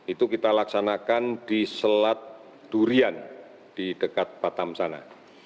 itu kita laksanakan di selat durian di dekat batam sana